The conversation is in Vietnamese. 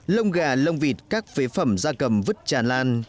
lông gà lông vịt các phế phẩm da cầm vứt tràn lan